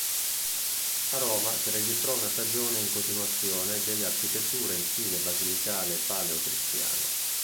A Roma si registrò una stagione in continuazione delle architetture in stile basilicale paleocristiano.